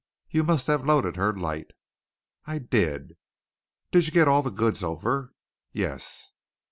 "You must have loaded her light." "I did." "Did you get all the goods over?" "Yes."